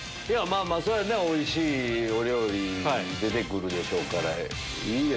まぁそれはおいしいお料理出て来るでしょうから。